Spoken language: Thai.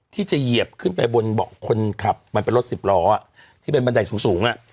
ที่จะเหยียบขึ้นไปบนเบาะคนขับมันเป็นรถสิบล้อที่เป็นบันไดสูงสูง